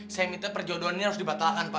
saya minta perjodohan ini harus dibatalkan pak